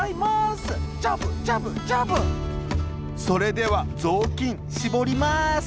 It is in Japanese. それではぞうきんしぼりまーす